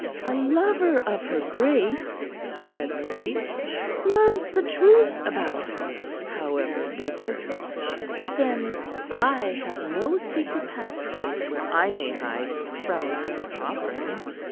"A lover of her Grace," said Mary, "loves the truth about her, however bitter. But then I have no secret passages where I may hide from my sovereign!"